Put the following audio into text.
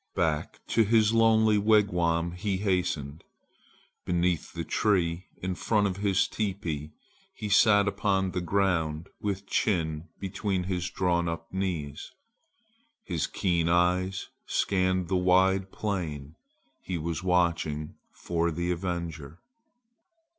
Back to his lonely wigwam he hastened. Beneath the tree in front of his teepee he sat upon the ground with chin between his drawn up knees. His keen eyes scanned the wide plain. He was watching for the avenger.